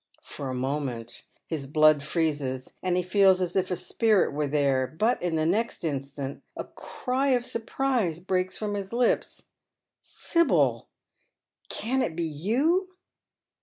For a moment his blood freezes, and he feels as if a spiiitwere there ; but in the next instant a cry of surprise breaks from hia lips, " Sibyl, can it be you